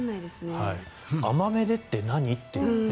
甘めでって何？っていう。